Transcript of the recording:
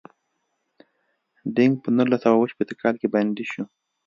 دینګ په نولس سوه اووه شپیته کال کې بندي شو.